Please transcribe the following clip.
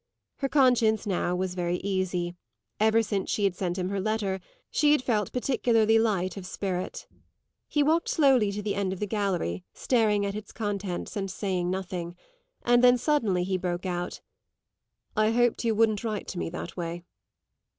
Her conscience now was very easy; ever since she sent him her letter she had felt particularly light of spirit. He walked slowly to the end of the gallery, staring at its contents and saying nothing; and then he suddenly broke out: "I hoped you wouldn't write to me that way."